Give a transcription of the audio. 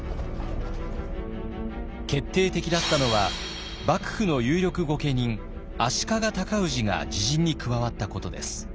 決定的だったのは幕府の有力御家人足利尊氏が自陣に加わったことです。